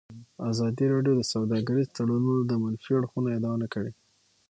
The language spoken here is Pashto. ازادي راډیو د سوداګریز تړونونه د منفي اړخونو یادونه کړې.